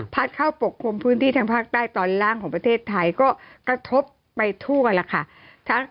เข้าปกคลุมพื้นที่ทางภาคใต้ตอนล่างของประเทศไทยก็กระทบไปทั่วแล้วค่ะ